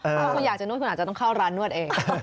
ถ้าคุณอยากจะนวดคุณอาจจะต้องเข้าร้านนวดเอง